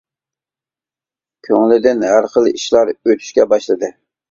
كۆڭلىدىن ھەر خىل ئىشلار ئۆتۈشكە باشلىدى.